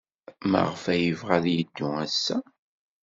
Maɣef ay yebɣa ad yeddu ass-a?